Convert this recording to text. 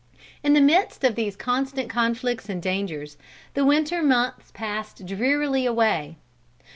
In the midst of these constant conflicts and dangers, the winter months passed drearily away.